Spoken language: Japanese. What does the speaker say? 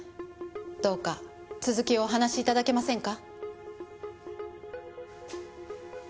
どうか続きをお話し頂けませんか？